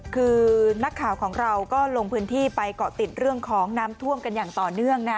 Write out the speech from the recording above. คือนักข่าวของเราก็ลงพื้นที่ไปเกาะติดเรื่องของน้ำท่วมกันอย่างต่อเนื่องนะ